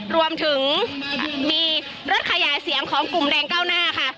รวมถึงมีรถขยายเสียงของกลุ่มแรงเก้าหน้าค่ะ